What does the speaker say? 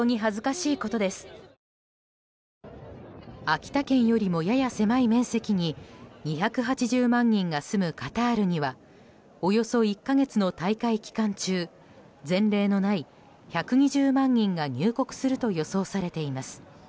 秋田県よりもやや狭い面積に２７０万人が住むカタールにはおよそ１か月の大会期間中前例のない１２０万人が入国すると予想されています。